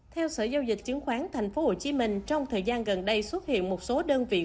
theo sở giao dịch chứng khoán tp hcm trong thời gian gần đây xuất hiện một số đơn vị